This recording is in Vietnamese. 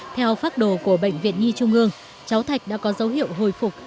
theo phác đồ của bệnh viện nhi trung ương cháu thạch đã có dấu hiệu hồi phục